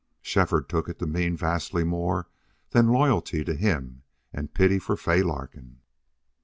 Shefford took it to mean vastly more than loyalty to him and pity for Fay Larkin.